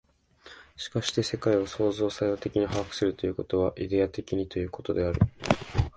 しかして世界を創造作用的に把握するということは、イデヤ的にということである。